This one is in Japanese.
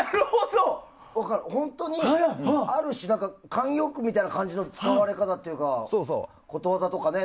本当にある種慣用句みたいな感じの使われ方というかことわざとかね。